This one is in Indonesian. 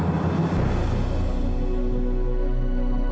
gak siap tinggal berangkat